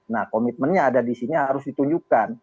nah komitmennya ada di sini harus ditunjukkan